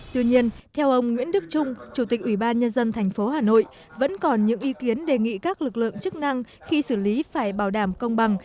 tuy nhiên theo ông nguyễn đức trung chủ tịch ubnd tp hà nội vẫn còn những ý kiến đề nghị các lực lượng chức năng khi xử lý phải bảo đảm công bằng